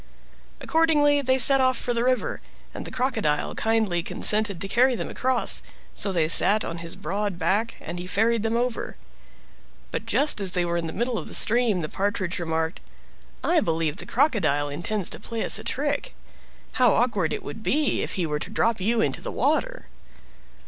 Accordingly they set off for the river, and the Crocodile kindly consented to carry them across, so they sat on his broad back and he ferried them over. But just as they were in the middle of the stream the Partridge remarked. "I believe the Crocodile intends to play us a trick. How awkward if he were to drop you into the water!"